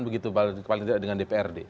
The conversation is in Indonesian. begitu paling tidak dengan dprd